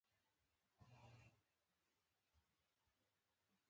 ستاسو ټکټونه مو مخکې تر مخکې اخیستي.